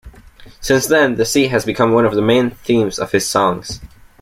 Since then, the sea has become one of the main themes of his songs.